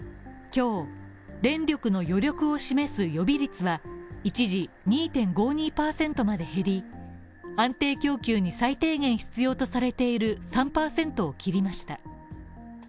今日、電力の余力を示す予備率は一時２．５２％まで減り安定供給に最低限必要とされている３％を切りました。